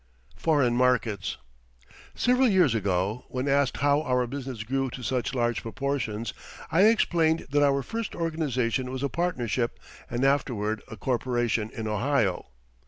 FOREIGN MARKETS Several years ago, when asked how our business grew to such large proportions I explained that our first organization was a partnership and afterward a corporation in Ohio.